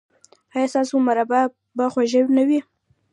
ایا ستاسو مربا به خوږه نه وي؟